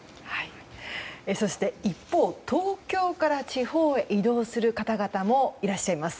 そして一方東京から地方へ移動する方々もいらっしゃいます。